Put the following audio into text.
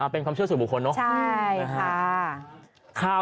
เป็นความเชื่อสู่บุคคลเนอะ